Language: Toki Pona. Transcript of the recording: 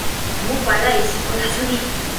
o moku ala e soko laso ni.